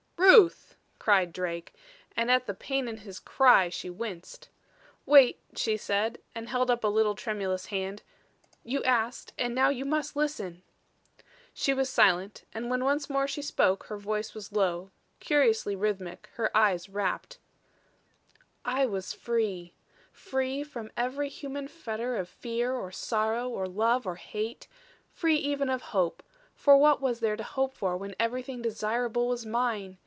"Ruth!" cried Drake, and at the pain in his cry she winced. "Wait," she said, and held up a little, tremulous hand. "You asked and now you must listen." She was silent; and when once more she spoke her voice was low, curiously rhythmic; her eyes rapt: "I was free free from every human fetter of fear or sorrow or love or hate; free even of hope for what was there to hope for when everything desirable was mine?